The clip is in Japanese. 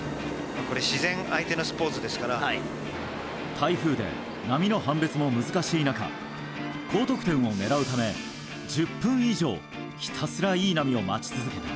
台風で波の判別も難しい中高得点を狙うため、１０分以上ひたすらいい波を待ち続けた。